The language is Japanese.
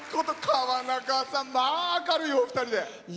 川中さん、まあ明るいお二人で。